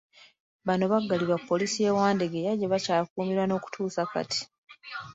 Bano baggalirwa ku poliisi y'e Wandegeya gye bakyakuumirwa n'okutuusa kati.